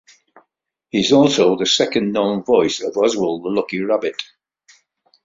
He is also the second known voice of Oswald the Lucky Rabbit.